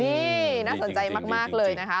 นี่น่าสนใจมากเลยนะคะ